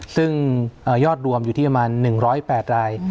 ซึ่งยอดรวมอยู่ที่ประมาณ๑๐๘ราย